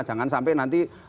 jangan sampai nanti